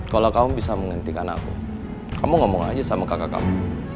kalau kamu bisa menghentikan aku kamu ngomong aja sama kakak kamu